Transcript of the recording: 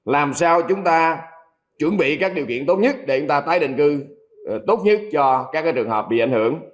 làm sao chúng ta chuẩn bị các điều kiện tốt nhất để chúng ta tái định cư tốt nhất cho các trường hợp bị ảnh hưởng